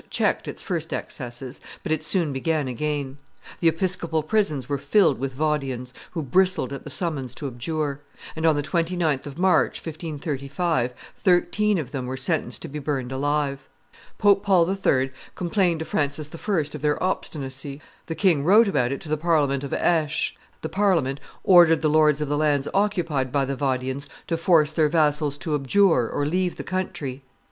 checked its first excesses, but it soon began again; the episcopal prisons were filled with Vaudians, who bristled at the summons to abjure; and on the 29th of March, 1535, thirteen of them were sentenced to be burned alive. Pope Paul III. complained to Francis I. of their obstinacy; the king wrote about it to the Parliament of Aix; the Parliament ordered the lords of the lands occupied by the Vaudians to force their vassals to abjure or leave the country.